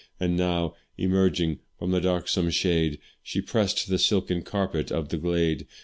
And now emerging from the darksome shade, She pressed the silken carpet of the glade.